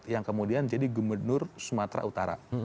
yang kemudian jadi gubernur sumatera utara